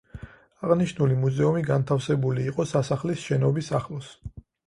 აღნიშნული მუზეუმი განთავსებული იყო სასახლის შენობის ახლოს.